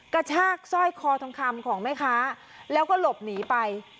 กระชากสร้อยคอทองคำของแม่ค้าแล้วก็หลบหนีไป